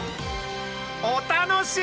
お楽しみに！